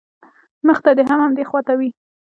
مخ دې هم همدې خوا ته وي.